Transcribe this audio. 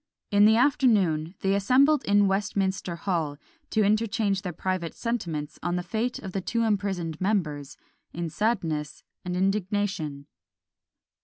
In the afternoon they assembled in Westminster hall, to interchange their private sentiments on the fate of the two imprisoned members, in sadness and indignation.